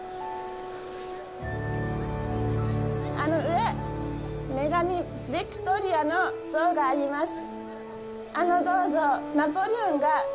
あの上、女神ヴィクトリアの像があります。